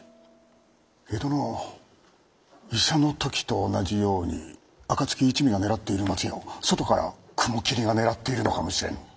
江戸の医者の時と同じように暁一味が狙っている松屋を外から雲霧が狙っているのかもしれぬ。